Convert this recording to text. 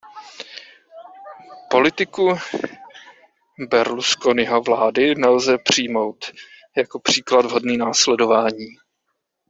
Politiku Berlusconiho vlády nelze přijmout jako příklad hodný následování.